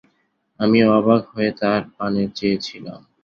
আমিও অবাক হয়ে তাঁর পানে চেয়ে ছিলাম।